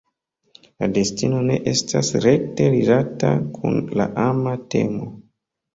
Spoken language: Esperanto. La destino ne estas rekte rilata kun la ama temo.